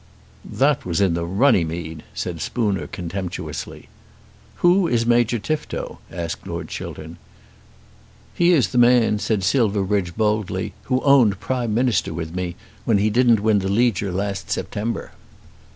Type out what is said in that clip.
"That was in the Runnymede," said Spooner contemptuously. "Who is Major Tifto?" asked Lord Chiltern. "He is the man," said Silverbridge, boldly, "who owned Prime Minister with me, when he didn't win the Leger last September."